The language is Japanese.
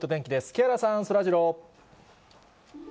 木原さん、そらジロー。